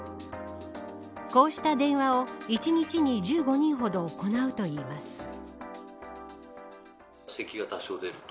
こうした電話を１日に１５人ほど行うといいます。